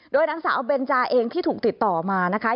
โดยนางสาวเบนจาเองที่ถูกติดต่อมานะคะ